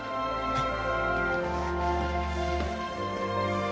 はい。